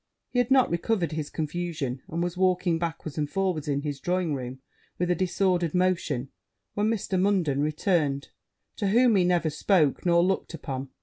He had not recovered his confusion, and was walking backwards and forwards in his drawing room, with a disordered motion, when Mr. Munden returned; to whom he never spoke, nor looked upon.